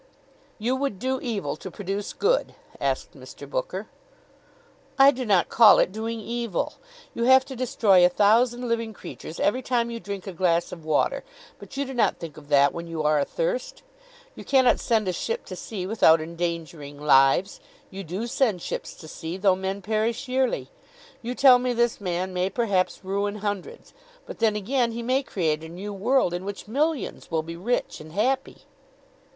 "You would do evil to produce good?" asked Mr. Booker. "I do not call it doing evil. You have to destroy a thousand living creatures every time you drink a glass of water, but you do not think of that when you are athirst. You cannot send a ship to sea without endangering lives. You do send ships to sea though men perish yearly. You tell me this man may perhaps ruin hundreds, but then again he may create a new world in which millions will be rich and happy."